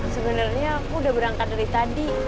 sebenarnya aku udah berangkat dari tadi